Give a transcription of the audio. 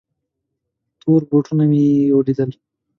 تور بوټونه یې ولیدل.